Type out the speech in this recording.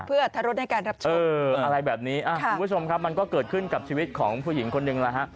เพื่อทะรดในการรับชมอะไรแบบนี้คุณผู้ชมครับมันก็เกิดขึ้นกับชีวิตของผู้หญิงคนหนึ่งนะฮะ